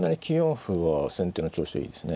歩は先手の調子がいいですね。